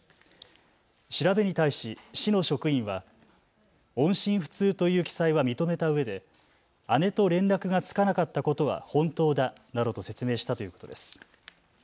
調べに対し市の職員は音信不通という記載は認めたうえで姉と連絡がつかなかったことは本当だなどと説明したということです。